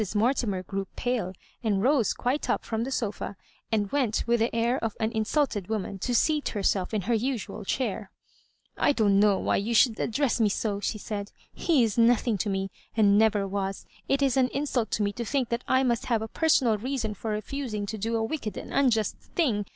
Mortimer grew pale, and rose quite up from the sofa, and went with the air of an in sujted woman to scat herself in her usual chair. «* I don't know why you should address me so," she said. " He is nothing to me, and never was. It is an insult to me to think that I must have a personal reason for refusing to do a wick ed and unjust thing.